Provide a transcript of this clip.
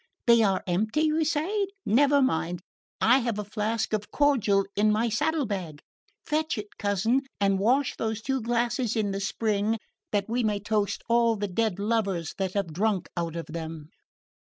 They are empty, you say? Never mind, for I have a flask of cordial in my saddle bag. Fetch it, cousin, and wash these two glasses in the spring, that we may toast all the dead lovers that have drunk out of them."